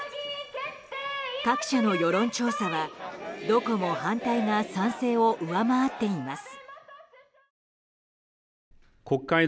各社の世論調査は、どこも反対が賛成を上回っています。